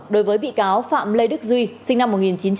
đối với bị cáo phạm lê đức duy sinh năm một nghìn chín trăm tám mươi